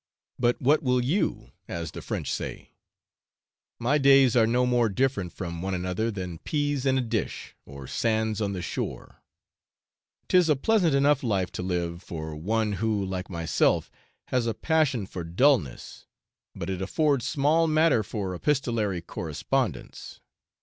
But what will you? as the French say; my days are no more different from one another than peas in a dish, or sands on the shore: 'tis a pleasant enough life to live, for one who, like myself, has a passion for dulness, but it affords small matter for epistolary correspondence.